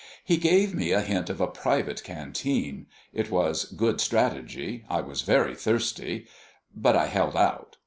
He gave me a hint of a private canteen it was good strategy, I was very thirsty but I held out.